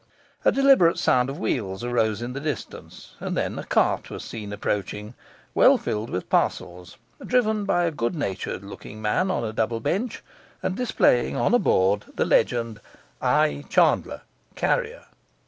A deliberate sound of wheels arose in the distance, and then a cart was seen approaching, well filled with parcels, driven by a good natured looking man on a double bench, and displaying on a board the legend, 'I Chandler, carrier'.